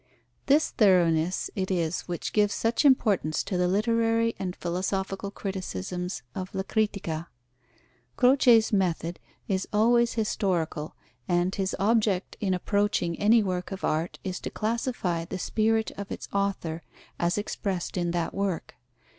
This thoroughness it is which gives such importance to the literary and philosophical criticisms of La Critica. Croce's method is always historical, and his object in approaching any work of art is to classify the spirit of its author, as expressed in that work.